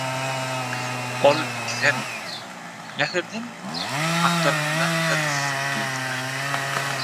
ol ikisem «Bäherden gapdalyndandyrys» diýdiler.